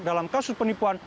dalam kasus penipuan